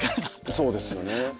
そうですよね。